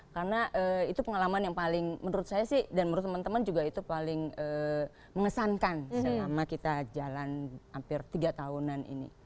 karena itu pengalaman yang paling menurut saya sih dan menurut temen temen juga itu paling mengesankan selama kita jalan hampir tiga tahunan ini